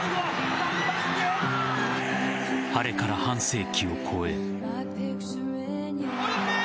あれから半世紀を超え。